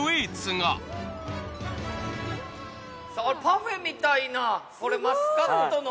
さあパフェみたいなマスカットの。